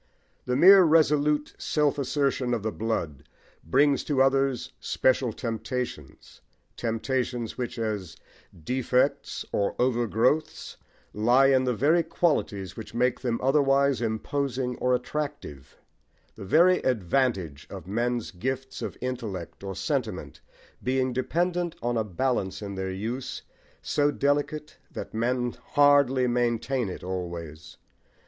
The mere resolute self assertion of the blood brings to others special temptations, temptations which, as defects or over growths, lie in the very qualities which make them otherwise imposing or attractive; the very advantage of men's gifts of intellect or sentiment being dependent on a balance in their use so delicate that men hardly maintain it always.